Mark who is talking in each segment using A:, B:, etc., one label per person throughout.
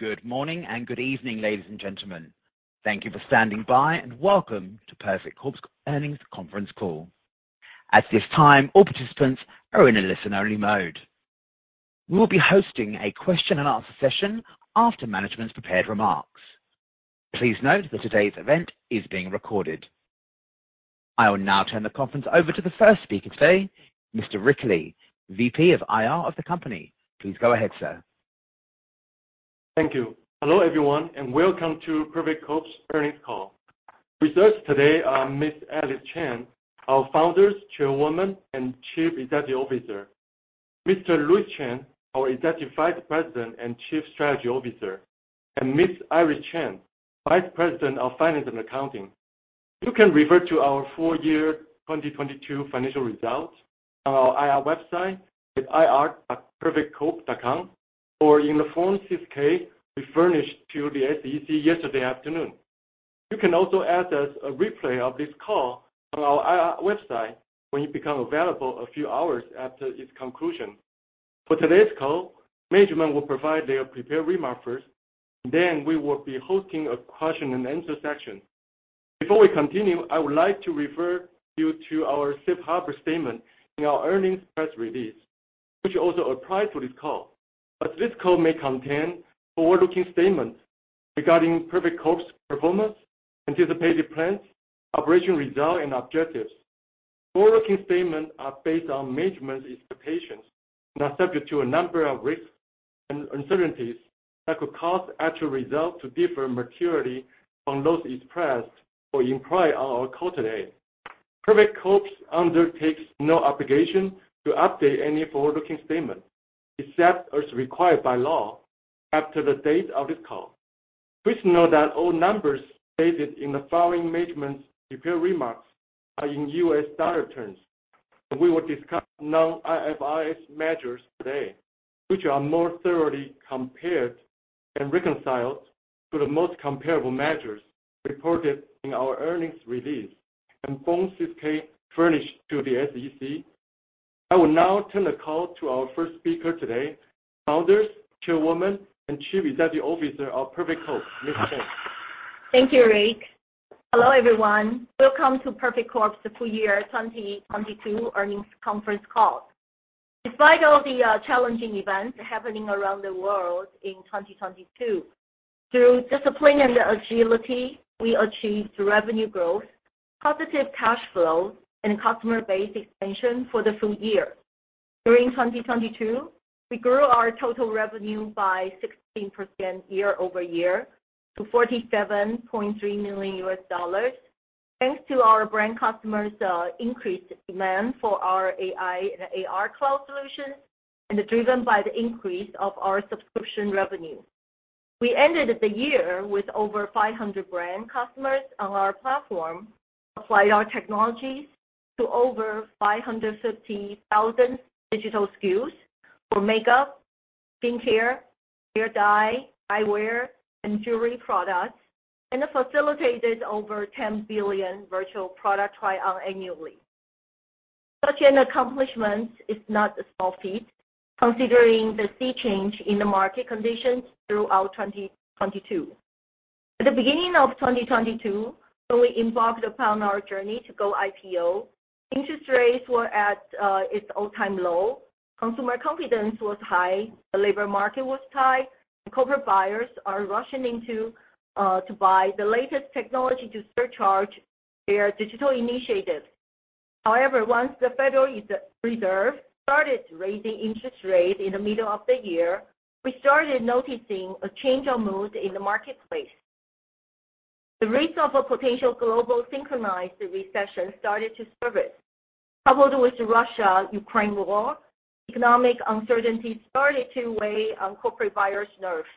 A: Good morning and good evening, ladies and gentlemen. Thank you for standing by and welcome to Perfect Corp.'s Earnings Conference Call. At this time, all participants are in a listen-only mode. We will be hosting a question and answer session after management's prepared remarks. Please note that today's event is being recorded. I will now turn the conference over to the first speaker today, Mr. Rick Lee, VP of IR of the company. Please go ahead, sir.
B: Thank you. Hello, everyone, welcome to Perfect Corp.'s Earnings Call. With us today are Miss Alice Chang, our Founder, Chairwoman, and Chief Executive Officer. Mr. Louis Chen, our Executive Vice President and Chief Strategy Officer, and Miss Iris Chen, Vice President of Finance and Accounting. You can refer to our full year 2022 financial results on our IR website at ir.perfectcorp.com or in the Form 6-K we furnished to the SEC yesterday afternoon. You can also access a replay of this call on our IR website when it become available a few hours after its conclusion. For today's call, management will provide their prepared remarks first. We will be hosting a question and answer session. Before we continue, I would like to refer you to our safe harbor statement in our earnings press release, which also apply to this call. This call may contain forward-looking statements regarding Perfect Corp.'s performance, anticipated plans, operation results, and objectives. Forward-looking statements are based on management expectations and are subject to a number of risks and uncertainties that could cause actual results to differ materially from those expressed or implied on our call today. Perfect Corp. undertakes no obligation to update any forward-looking statements, except as required by law after the date of this call. Please note that all numbers stated in the following management prepared remarks are in U.S. dollar terms, and we will discuss non-IFRS measures today, which are more thoroughly compared and reconciled to the most comparable measures reported in our earnings release and Form 6-K furnished to the SEC. I will now turn the call to our first speaker today, Founder, Chairwoman, and Chief Executive Officer of Perfect Corp., Ms. Chang.
C: Thank you, Rick. Hello, everyone. Welcome to Perfect Corp.'s full year 2022 earnings conference call. Despite all the challenging events happening around the world in 2022, through discipline and agility, we achieved revenue growth, positive cash flow, and customer base expansion for the full year. During 2022, we grew our total revenue by 16% year-over-year to $47.3 million. Thanks to our brand customers, increased demand for our AI and AR cloud solutions and driven by the increase of our subscription revenue. We ended the year with over 500 brand customers on our platform, applied our technologies to over 550,000 digital SKUs for makeup, skincare, hair dye, eyewear, and jewelry products, and facilitated over 10 billion virtual product trial annually. Such an accomplishment is not a small feat considering the sea change in the market conditions throughout 2022. At the beginning of 2022, when we embarked upon our journey to go IPO, interest rates were at its all-time low, consumer confidence was high, the labor market was high, and corporate buyers are rushing into to buy the latest technology to surcharge their digital initiatives. Once the Federal Reserve started raising interest rates in the middle of the year, we started noticing a change of mood in the marketplace. The risk of a potential global synchronized recession started to surface. Coupled with Russia, Ukraine war, economic uncertainty started to weigh on corporate buyers' nerves.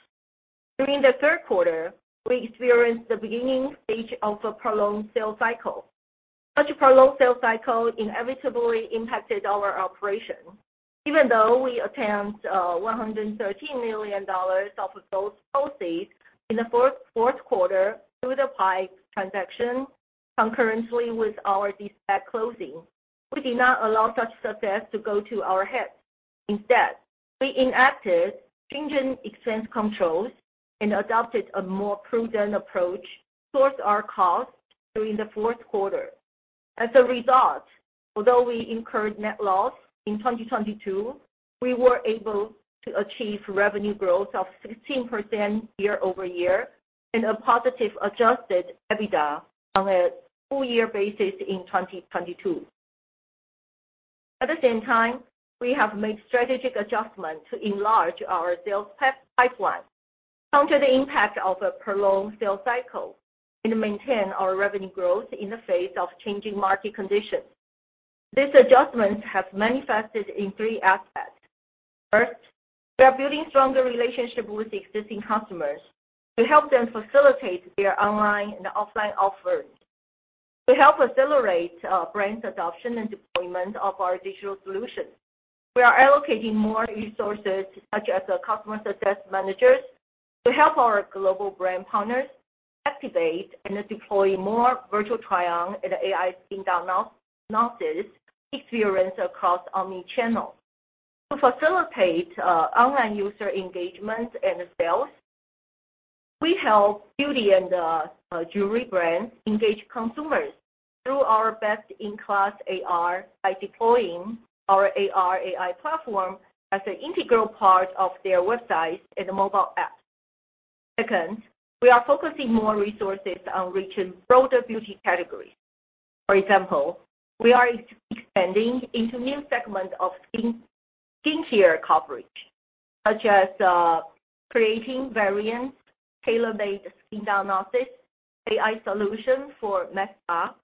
C: During the third quarter, we experienced the beginning stage of a prolonged sales cycle. Such a prolonged sales cycle inevitably impacted our operation. Even though we attained $113 million of those proceeds in the fourth quarter through the PIPE transaction concurrently with our de-SPAC closing, we did not allow such success to go to our heads. Instead, we enacted stringent expense controls and adopted a more prudent approach towards our costs during the fourth quarter. As a result, although we incurred net loss in 2022, we were able to achieve revenue growth of 16% year-over-year and a positive adjusted EBITDA on a full year basis in 2022. At the same time, we have made strategic adjustments to enlarge our sales pipeline counter the impact of a prolonged sales cycle and maintain our revenue growth in the face of changing market conditions. These adjustments have manifested in three aspects. First, we are building stronger relationships with existing customers to help them facilitate their online and offline offers. To help accelerate brands adoption and deployment of our digital solutions, we are allocating more resources, such as the customer success managers to help our global brand partners activate and deploy more virtual try-on and AI skin diagnosis experience across omnichannel. To facilitate online user engagement and sales, we help beauty and jewelry brands engage consumers through our best-in-class AR by deploying our AR/AI platform as an integral part of their website and mobile app. Second, we are focusing more resources on reaching broader beauty categories. For example, we are expanding into new segment of skincare coverage, such as creating variants, tailor-made skin diagnosis, AI solution for mass spa,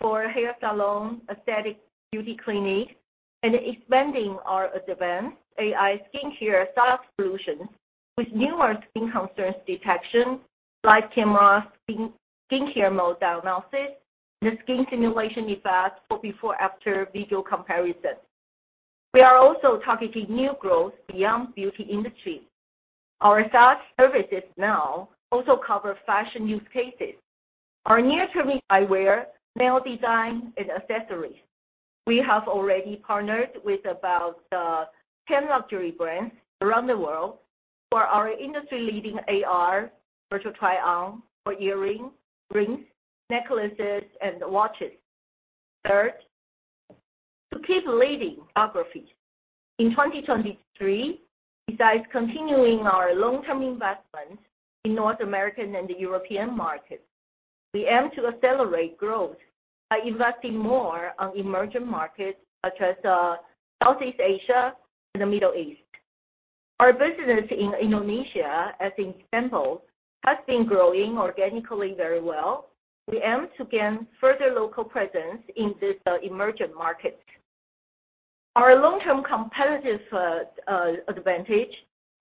C: for hair salon, aesthetic beauty clinic, and expanding our advanced AI skincare SaaS solution with newer skin concerns detection, live camera skincare mode diagnosis, and skin simulation effects for before/after video comparison. We are also targeting new growth beyond beauty industry. Our SaaS services now also cover fashion use cases. Our near-term eyewear, nail design, and accessories. We have already partnered with about 10 luxury brands around the world for our industry-leading AR virtual try-on for earrings, rings, necklaces, and watches. Third, to keep leading geography. In 2023, besides continuing our long-term investment in North American and the European markets, we aim to accelerate growth by investing more on emerging markets such as Southeast Asia and the Middle East. Our business in Indonesia, as examples, has been growing organically very well. We aim to gain further local presence in this emerging market. Our long-term competitive advantage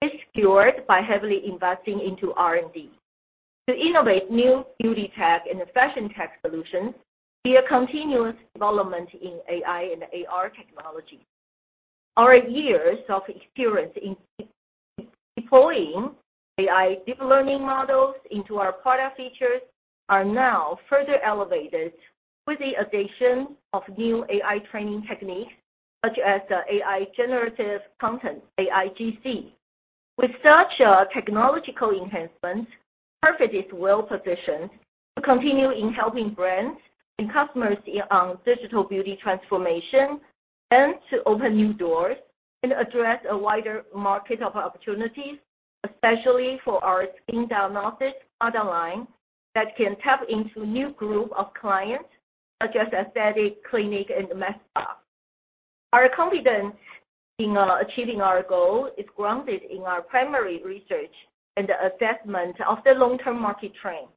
C: is secured by heavily investing into R&D. To innovate new beauty tech and fashion tech solutions via continuous development in AI and AR technology. Our years of experience in deploying AI deep learning models into our product features are now further elevated with the addition of new AI training techniques, such as AI Generative Content, AIGC. With such a technological enhancement, Perfect is well-positioned to continue in helping brands and customers on digital beauty transformation and to open new doors and address a wider market of opportunities, especially for our skin diagnosis online that can tap into new group of clients such as aesthetic clinic and med spa. Our confidence in achieving our goal is grounded in our primary research and assessment of the long-term market trend.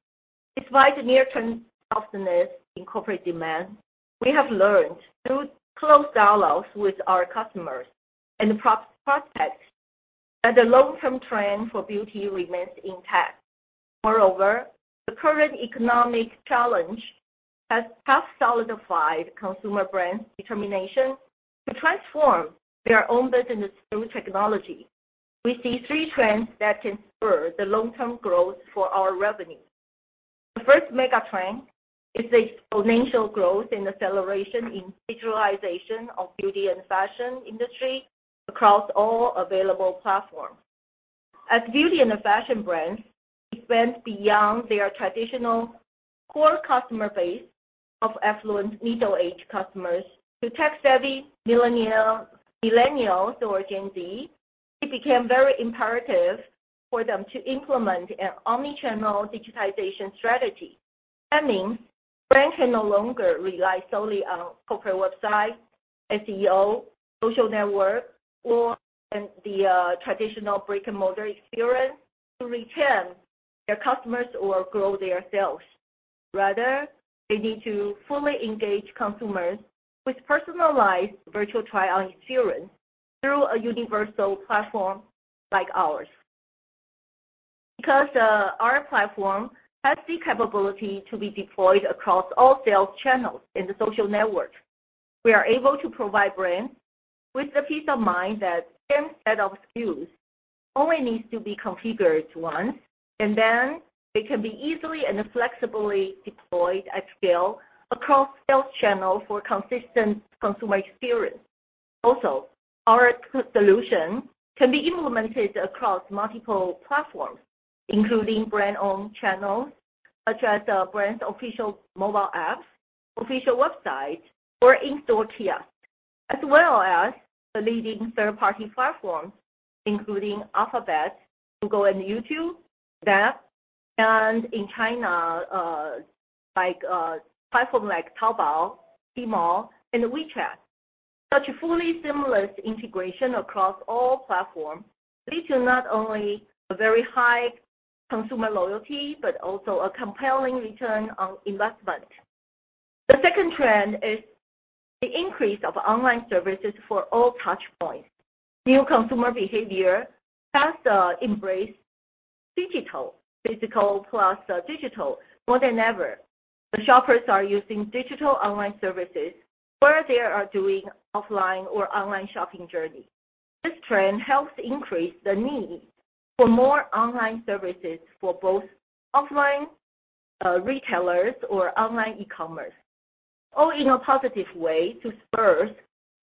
C: Despite the near-term softness in corporate demand, we have learned through close dialogues with our customers and prospects that the long-term trend for beauty remains intact. Moreover, the current economic challenge has helped solidified consumer brands' determination to transform their own business through technology. We see three trends that can spur the long-term growth for our revenue. The first mega-trend is the exponential growth and acceleration in digitalization of beauty and fashion industry across all available platforms. As beauty and fashion brands expand beyond their traditional core customer base of affluent middle-aged customers to tech-savvy millennials or Gen Z, it became very imperative for them to implement an omnichannel digitization strategy. That means brands can no longer rely solely on corporate websites, SEO, social network, or the traditional brick-and-mortar experience to retain their customers or grow their sales. Rather, they need to fully engage consumers with personalized virtual try-on experience through a universal platform like ours. Because our platform has the capability to be deployed across all sales channels in the social network, we are able to provide brands with the peace of mind that same set of SKUs only needs to be configured once, and then they can be easily and flexibly deployed at scale across sales channel for consistent consumer experience. Also, our solution can be implemented across multiple platforms, including brand-owned channels such as brand's official mobile apps, official websites, or in-store kiosk, as well as the leading third-party platforms, including Alphabet, Google and YouTube, Snap, and in China, like platform like Taobao, Tmall, and WeChat. Such a fully seamless integration across all platforms lead to not only a very high consumer loyalty, but also a compelling return on investment. The second trend is the increase of online services for all touch points. New consumer behavior has embraced digital, physical plus digital more than ever. The shoppers are using digital online services whether they are doing offline or online shopping journey. This trend helps increase the need for more online services for both offline retailers or online e-commerce, all in a positive way to spur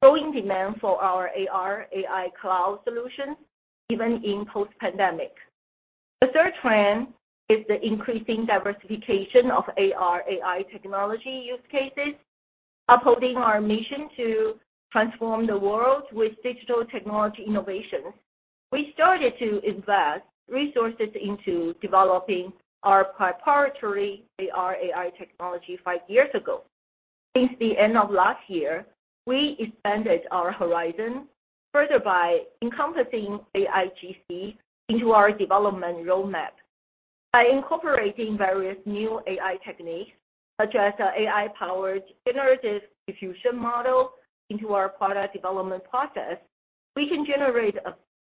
C: growing demand for our AR/AI cloud solutions even in post-pandemic. The third trend is the increasing diversification of AR/AI technology use cases, upholding our mission to transform the world with digital technology innovation. We started to invest resources into developing our proprietary AR/AI technology five years ago. Since the end of last year, we expanded our horizon further by encompassing AIGC into our development roadmap. By incorporating various new AI techniques, such as AI-powered generative diffusion model into our product development process, we can generate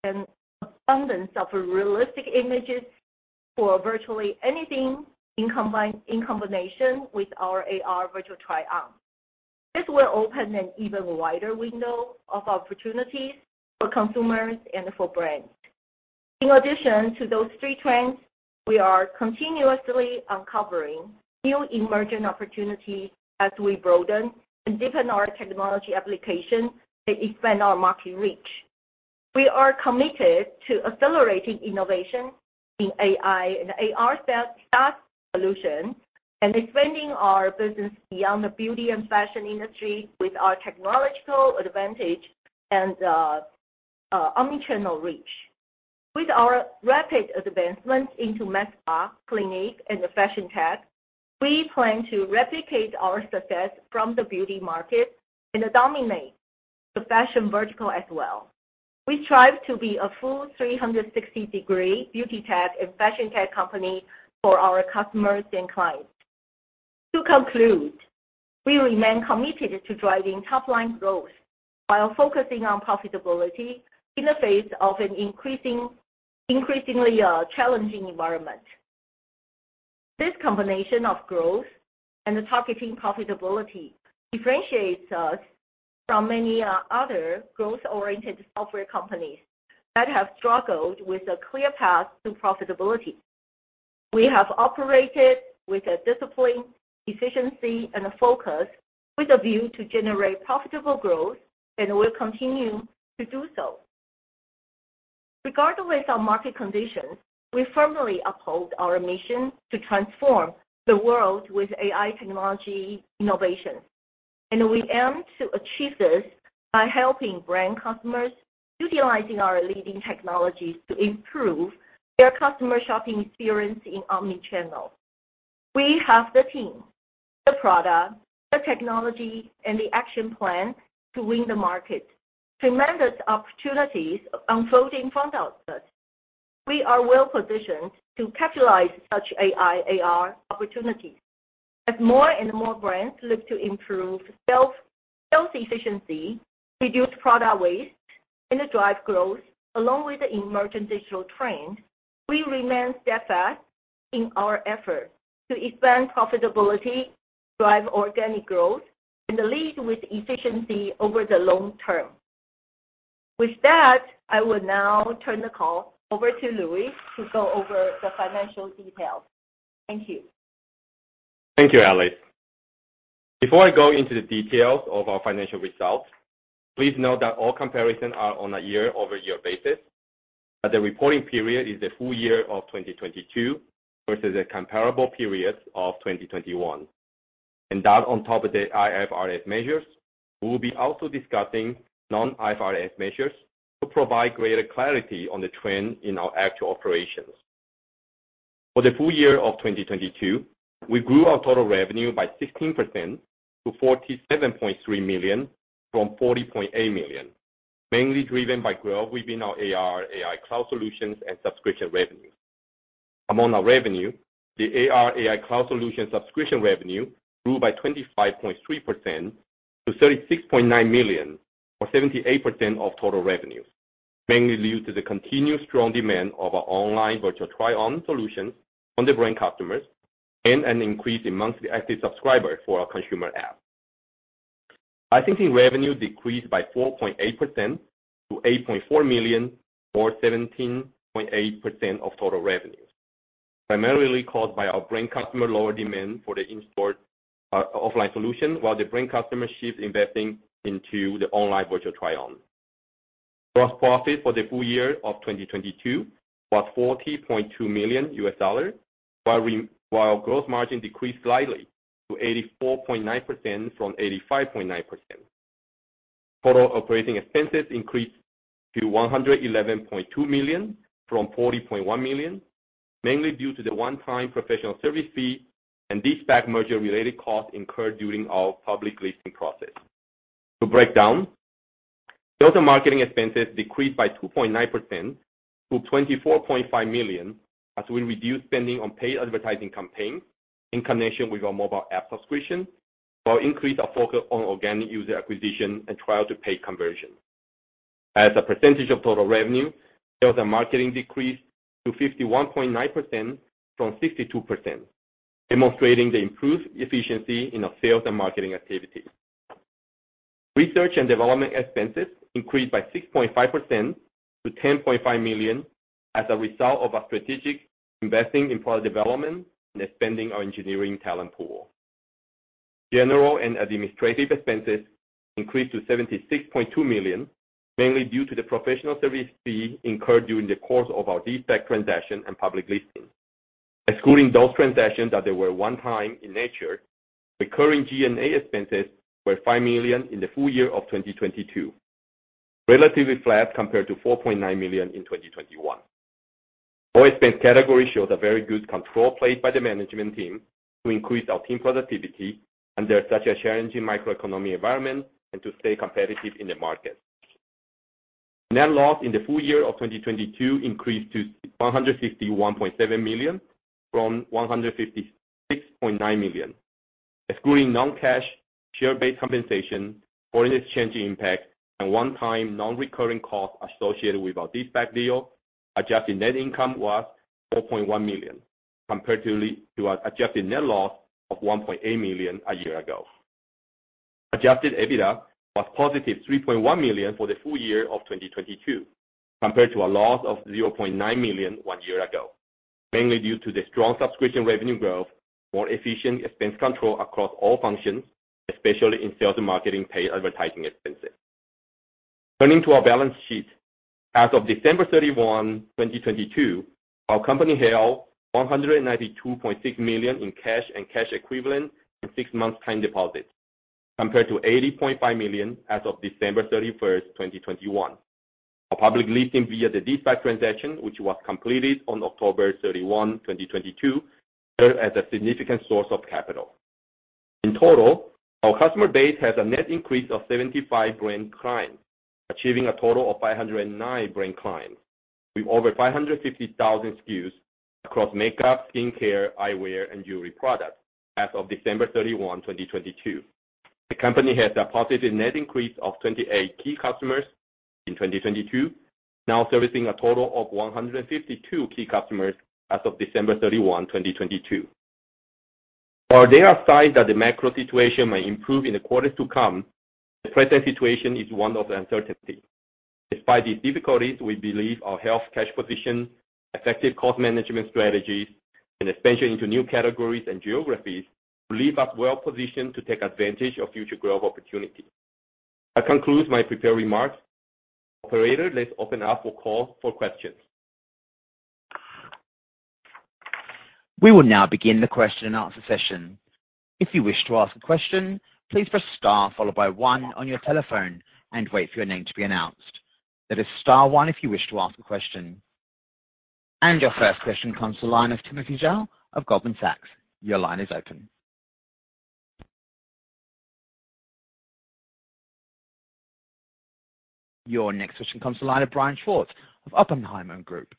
C: an abundance of realistic images for virtually anything in combination with our AR virtual try-on. This will open an even wider window of opportunities for consumers and for brands. In addition to those three trends, we are continuously uncovering new emerging opportunities as we broaden and deepen our technology application to expand our market reach. We are committed to accelerating innovation in AI and AR SaaS solutions, and expanding our business beyond the beauty and fashion industry with our technological advantage and omni-channel reach. With our rapid advancement into med spa, clinic, and fashion tech, we plan to replicate our success from the beauty market and dominate the fashion vertical as well. We strive to be a full 360-degree beauty tech and fashion tech company for our customers and clients. To conclude, we remain committed to driving top-line growth while focusing on profitability in the face of an increasingly challenging environment. This combination of growth and targeting profitability differentiates us from many other growth-oriented software companies that have struggled with a clear path to profitability. We have operated with a discipline, efficiency, and a focus with a view to generate profitable growth and will continue to do so. Regardless of market conditions, we firmly uphold our mission to transform the world with AI technology innovation, and we aim to achieve this by helping brand customers utilizing our leading technologies to improve their customer shopping experience in omnichannel. We have the team, the product, the technology, and the action plan to win the market. Tremendous opportunities unfolding in front of us. We are well-positioned to capitalize such AI/AR opportunities. As more and more brands look to improve self-service efficiency, reduce product waste, and drive growth along with the emerging digital trends, we remain steadfast in our effort to expand profitability, drive organic growth, and lead with efficiency over the long term. With that, I will now turn the call over to Louis to go over the financial details. Thank you.
D: Thank you, Alice. Before I go into the details of our financial results, please note that all comparison are on a year-over-year basis, that the reporting period is the full year of 2022 versus the comparable periods of 2021. That on top of the IFRS measures, we'll be also discussing non-IFRS measures to provide greater clarity on the trend in our actual operations. For the full year of 2022, we grew our total revenue by 16% to $47.3 million from $40.8 million, mainly driven by growth within our AR/AI cloud solutions and subscription revenue. Among our revenue, the AR/AI cloud solutions subscription revenue grew by 25.3% to $36.9 million or 78% of total revenues, mainly due to the continued strong demand of our online virtual try-on solutions from the brand customers and an increase in monthly active subscribers for our consumer app. Licensing revenue decreased by 4.8% to $8.4 million or 17.8% of total revenues, primarily caused by our brand customer lower demand for the in-store offline solution, while the brand customer shift investing into the online virtual try-on. Gross profit for the full year of 2022 was $40.2 million, while gross margin decreased slightly to 84.9% from 85.9%. Total operating expenses increased to $111.2 million from $40.1 million, mainly due to the one-time professional service fee, and de-SPAC merger related costs incurred during our public listing process. To break down, sales and marketing expenses decreased by 2.9% to $24.5 million, as we reduced spending on paid advertising campaigns in connection with our mobile app subscription, while increased our focus on organic user acquisition and trial to paid conversion. As a percentage of total revenue, sales and marketing decreased to 51.9% from 62%. Demonstrating the improved efficiency in our sales and marketing activities. Research and development expenses increased by 6.5% to $10.5 million as a result of our strategic investing in product development and expanding our engineering talent pool. General and administrative expenses increased to $76.2 million, mainly due to the professional service fee incurred during the course of our de-SPAC transaction and public listing. Excluding those transactions that they were one time in nature, recurring G&A expenses were $5 million in the full year of 2022, relatively flat compared to $4.9 million in 2021. All expense category showed a very good control played by the management team to increase our team productivity under such a challenging macroeconomic environment and to stay competitive in the market. Net loss in the full year of 2022 increased to $161.7 million from $156.9 million. Excluding non-cash share-based compensation, foreign exchange impact and one-time non-recurring costs associated with our de-SPAC deal, adjusted net income was $4.1 million, comparatively to our adjusted net loss of $1.8 million a year ago. Adjusted EBITDA was positive $3.1 million for the full year of 2022 compared to a loss of $0.9 million one year ago, mainly due to the strong subscription revenue growth, more efficient expense control across all functions, especially in sales and marketing pay advertising expenses. Turning to our balance sheet. As of December 31, 2022, our company held $192.6 million in cash and cash equivalents and six months time deposits, compared to $80.5 million as of December 31st, 2021. Our public listing via the de-SPAC transaction, which was completed on October 31, 2022, served as a significant source of capital. In total, our customer base has a net increase of 75 brand clients, achieving a total of 509 brand clients with over 550,000 SKUs across makeup, skincare, eyewear, and jewelry products as of December 31, 2022. The company has a positive net increase of 28 key customers in 2022, now servicing a total of 152 key customers as of December 31, 2022. While there are signs that the macro situation may improve in the quarters to come, the present situation is one of uncertainty. Despite these difficulties, we believe our health cash position, effective cost management strategies, and expansion into new categories and geographies leave us well positioned to take advantage of future growth opportunities. That concludes my prepared remarks. Operator, let's open up for calls for questions.
A: We will now begin the question and answer session. If you wish to ask a question, please press star followed by one on your telephone and wait for your name to be announced. That is star one if you wish to ask a question. Your first question comes to the line of Timothy Zhao of Goldman Sachs. Your line is open... Your next question comes to the line of Brian Schwartz of Oppenheimer Group.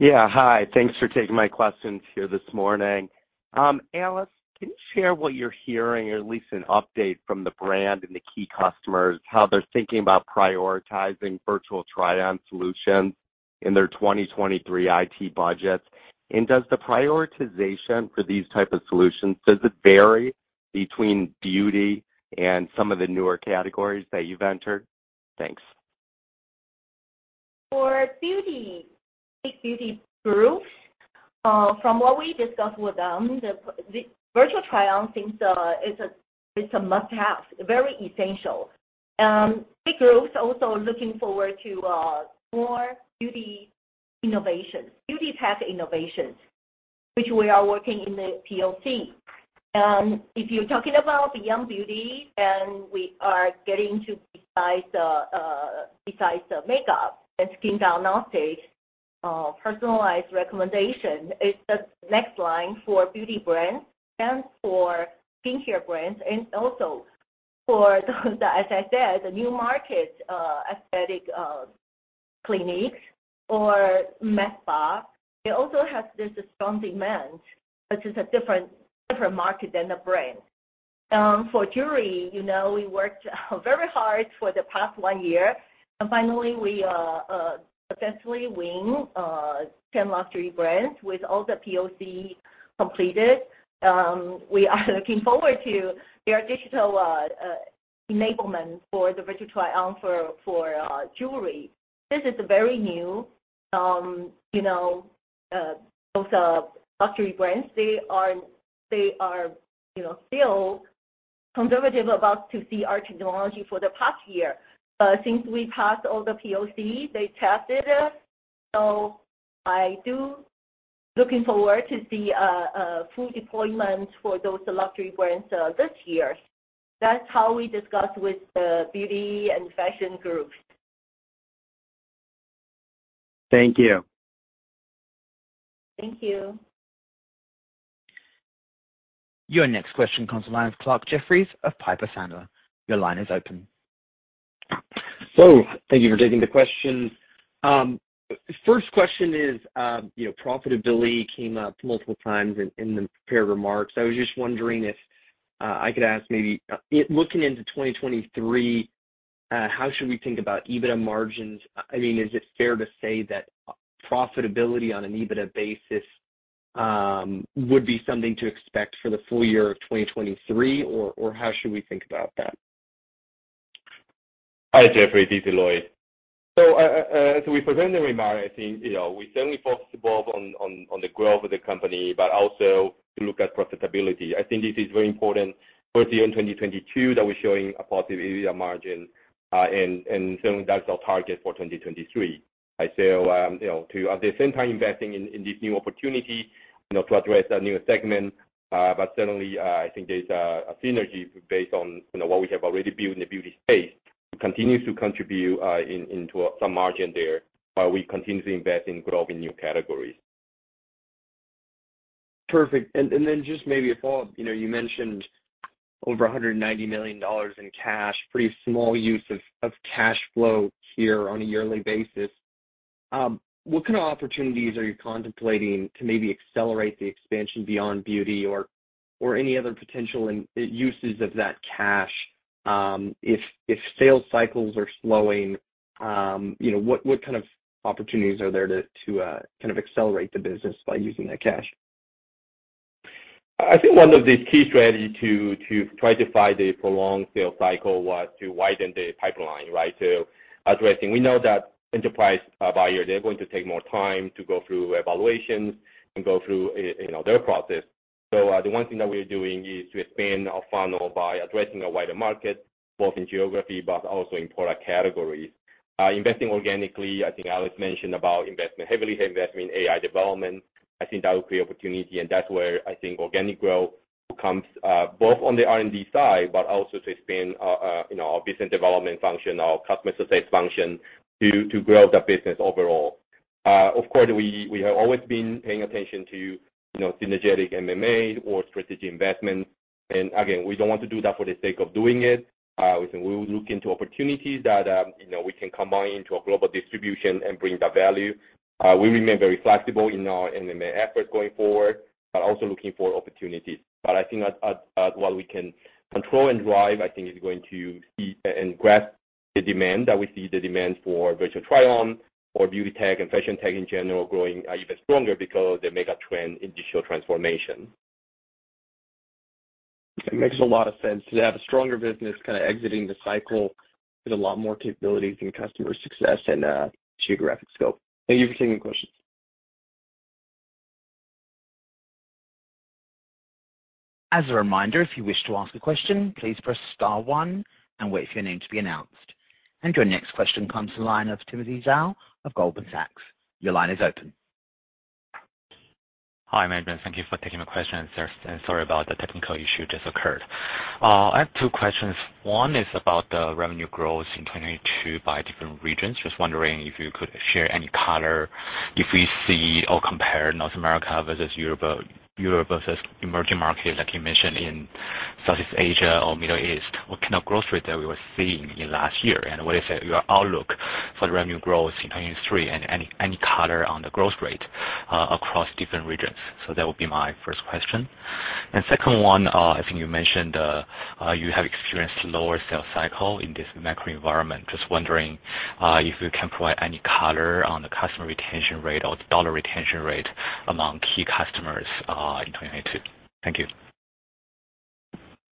E: Yeah. Hi! Thanks for taking my questions here this morning. Alice, can you share what you're hearing or at least an update from the brand and the key customers, how they're thinking about prioritizing virtual try-on solutions in their 2023 IT budgets? Does the prioritization for these type of solutions, does it vary between beauty and some of the newer categories that you've entered? Thanks.
C: For beauty, big beauty groups, from what we discussed with them, the virtual try on seems, is a must-have, very essential. Big groups also looking forward to more beauty innovations, beauty tech innovations, which we are working in the POC. If you're talking about beyond beauty, then we are getting to besides the makeup and skin diagnostic, personalized recommendation is the next line for beauty brands and for skincare brands and also for those, as I said, the new markets, aesthetic clinics or med spa. It also has this strong demand, but it's a different market than the brand. For jewelry, you know, we worked very hard for the past one year, and finally we successfully win 10 luxury brands with all the POC completed. We are looking forward to their digital enablement for the virtual try-on for jewelry. This is very new. You know, those luxury brands, they are, you know, still conservative about to see our technology for the past year. Since we passed all the POC, they tested us, so I do looking forward to see a full deployment for those luxury brands this year. That's how we discuss with the beauty and fashion groups.
E: Thank you.
C: Thank you.
A: Your next question comes the line of Clarke Jeffries of Piper Sandler. Your line is open.
F: Thank you for taking the question. First question is, you know, profitability came up multiple times in the prepared remarks. I was just wondering if I could ask maybe, looking into 2023-... How should we think about EBITDA margins? I mean, is it fair to say that profitability on an EBITDA basis, would be something to expect for the full year of 2023 or how should we think about that?
D: Hi, Jeffries. This is Louis. As we presented the remark, I think, you know, we certainly focused above on the growth of the company, but also to look at profitability. I think this is very important for the end of 2022, that we're showing a positive EBITDA margin, and certainly that's our target for 2023. I say, you know, to at the same time investing in this new opportunity, you know, to address that new segment. Certainly, I think there's a synergy based on, you know, what we have already built in the beauty space continues to contribute into some margin there while we continue to invest in growing new categories.
F: Perfect. Then just maybe a follow-up. You know, you mentioned over $190 million in cash, pretty small use of cash flow here on a yearly basis. What kind of opportunities are you contemplating to maybe accelerate the expansion beyond beauty or any other potential uses of that cash, if sales cycles are slowing, you know, what kind of opportunities are there to kind of accelerate the business by using that cash?
D: I think one of the key strategy to try to fight the prolonged sales cycle was to widen the pipeline, right? Addressing, we know that enterprise buyer, they're going to take more time to go through evaluations and go through, you know, their process. The one thing that we're doing is to expand our funnel by addressing a wider market, both in geography, but also in product categories. Investing organically, I think Alice mentioned about investment, heavily investment in AI development. I think that will create opportunity, and that's where I think organic growth comes, both on the R&D side, but also to expand, you know, our business development function, our customer success function to grow the business overall. Of course, we have always been paying attention to, you know, synergetic M&A or strategic investment. Again, we don't want to do that for the sake of doing it. We will look into opportunities that, you know, we can combine into a global distribution and bring the value. We remain very flexible in our M&A effort going forward, but also looking for opportunities. I think at where we can control and drive, I think it's going to see and grasp the demand, that we see the demand for virtual try-on or beauty tech and fashion tech in general growing even stronger because the mega trend in digital transformation.
F: It makes a lot of sense to have a stronger business kind of exiting the cycle with a lot more capabilities in customer success and geographic scope. Thank you for taking the question.
A: As a reminder, if you wish to ask a question, please press star one and wait for your name to be announced. Your next question comes to the line of Timothy Zhao of Goldman Sachs. Your line is open.
G: Hi, management. Thank you for taking my question. Sorry about the technical issue just occurred. I have two questions. One is about the revenue growth in 2022 by different regions. Just wondering if you could share any color if we see or compare North America versus Europe versus emerging markets, like you mentioned in Southeast Asia or Middle East? What kind of growth rate that we were seeing in last year, and what is your outlook for the revenue growth in 2023 and any color on the growth rate across different regions? That would be my first question. Second one, I think you mentioned, you have experienced lower sales cycle in this macro environment. Just wondering, if you can provide any color on the customer retention rate or the dollar retention rate among key customers, in 2022? Thank you.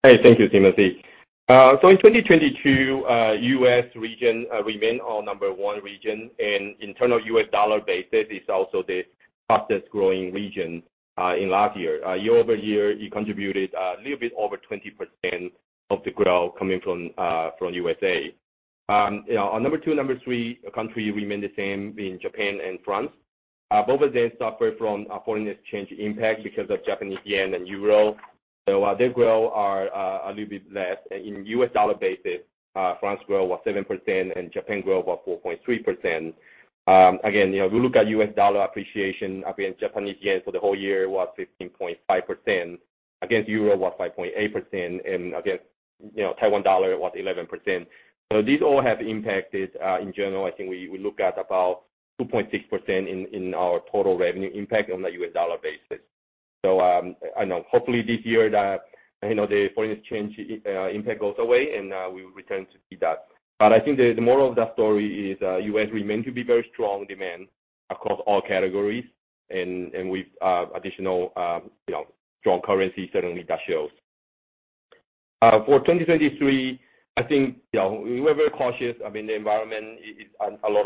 D: Thank you, Timothy. In 2022, U.S. region remain our number one region, and internal USD basis is also the fastest growing region in last year. Year-over-year, it contributed a little bit over 20% of the growth coming from U.S.A. You know, our number two, number three country remain the same, being Japan and France. Both of them suffer from a foreign exchange impact because of JPY and EUR. Their growth are a little bit less. In USD basis, France growth was 7% and Japan growth was 4.3%. Again, you know, we look at USD appreciation against JPY for the whole year was 15.5%. Against EUR was 5.8%, against, you know, TWD was 11%. These all have impacted in general, I think we look at about 2.6% in our total revenue impact on the USD basis. I know hopefully this year that, you know, the foreign exchange impact goes away, and we will return to see that. I think the moral of the story is, U.S. remain to be very strong demand across all categories and with additional, you know, strong currency, certainly that shows. For 2023, I think, you know, we were very cautious. I mean, the environment is a lot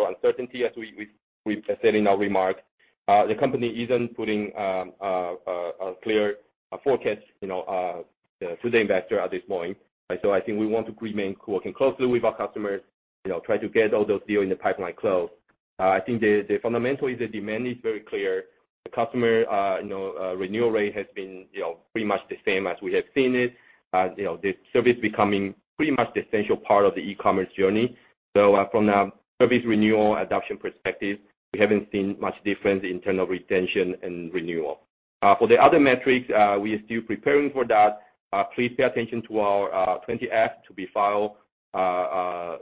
D: of uncertainty as we, we said in our remarks. The company isn't putting a clear forecast, you know, to the investor at this point. I think we want to remain working closely with our customers, you know, try to get all those deals in the pipeline closed. I think fundamentally, the demand is very clear. The customer, you know, renewal rate has been, you know, pretty much the same as we have seen it. You know, the service becoming pretty much the essential part of the e-commerce journey. From the service renewal adoption perspective, we haven't seen much difference in terms of retention and renewal. For the other metrics, we are still preparing for that. Please pay attention to our Form 20-F to be filed,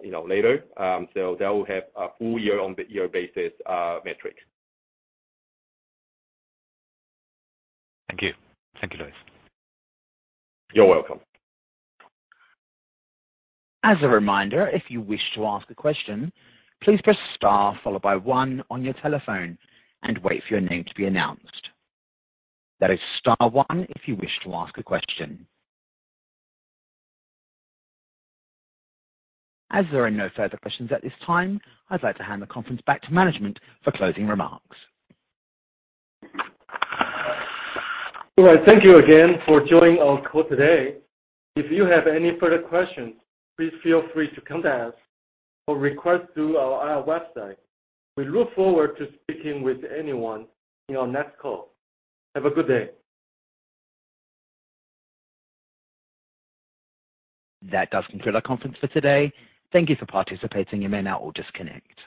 D: you know, later. That will have a full year on the year basis, metric.
G: Thank you. Thank you, Louis.
D: You're welcome.
A: As a reminder, if you wish to ask a question, please press star followed by one on your telephone and wait for your name to be announced. That is star one if you wish to ask a question. As there are no further questions at this time, I'd like to hand the conference back to management for closing remarks.
B: All right, thank you again for joining our call today. If you have any further questions, please feel free to contact us or request through our website. We look forward to speaking with anyone in our next call. Have a good day.
A: That does conclude our conference for today. Thank Thank you for participating. You may now all disconnect.